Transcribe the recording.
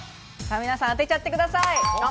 皆さん、当てちゃってください。